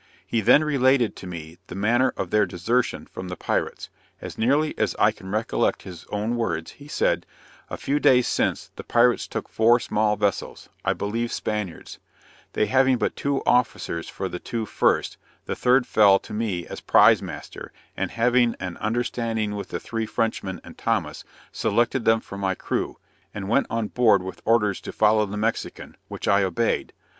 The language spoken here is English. He then related to me the manner of their desertion from the pirates; as nearly as I can recollect his own words, he said, "A few days since, the pirates took four small vessels, I believe Spaniards; they having but two officers for the two first, the third fell to me as prize master, and having an understanding with the three Frenchmen and Thomas, selected them for my crew, and went on board with orders to follow the Mexican; which I obeyed.